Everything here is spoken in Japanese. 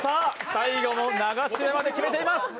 最後の流し目まで決めています。